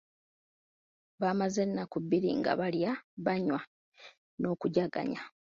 Baamaze ennaku bbiri nga balya, banywa n’okujjaganya.